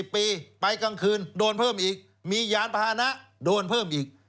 ปีไปกลางคืนโดนเพิ่มอีกมียานพาหนะโดนเพิ่มอีก